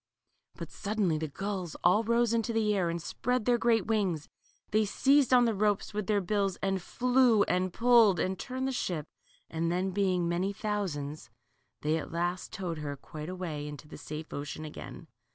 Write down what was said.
But suddenly the gulls all rose into the air, and spreading their great wings they seized on the ropes with their bills, and flew, and pulled, and turned the ship, and then, being many thousands, they at last towed her quite away into the safe ocean again.